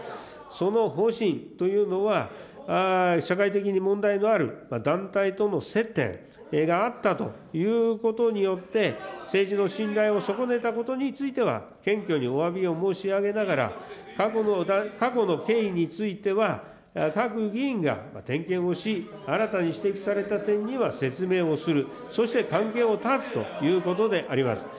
その方針というのは、社会的に問題のある団体との接点があったということによって、政治の信頼を損ねたことについては謙虚におわびを申し上げながら、過去の経緯については、各議員が点検をし、新たに指摘された点には説明をする、そして関係を断つということであります。